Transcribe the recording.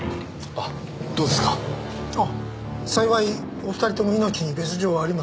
あっ幸いお２人とも命に別状はありません